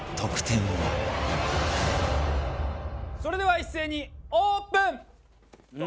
それでは一斉にオープン！